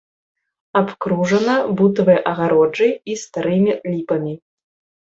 Абкружана бутавай агароджай і старымі ліпамі.